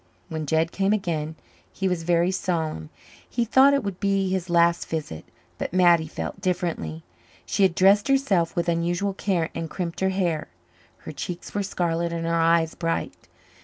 When Jed came again he was very solemn. He thought it would be his last visit, but Mattie felt differently. She had dressed herself with unusual care and crimped her hair. Her cheeks were scarlet and her eyes bright.